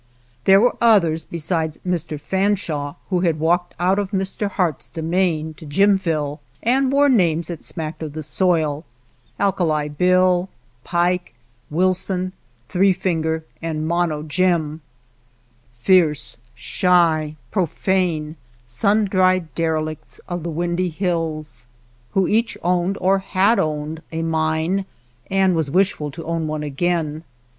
There were others besides Mr. Fanshawe who had walked out of Mr. Harte's demesne to Jimville and wore names that smacked of the soil, — "Alkah Bill," "Pike" Wil son, " Three Finger," and " Mono Jim ;" 117 JIMVILLE fierce, shy, profane, sun dried derelicts of the windy hills, who each owned, or had owned, a mine and was wishful to own one again.